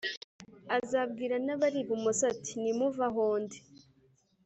Azabwira n abari ibumoso ati Nimuve aho ndi